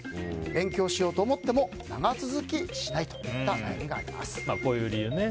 勉強しようと思っても長続きしないといったこういう理由ね。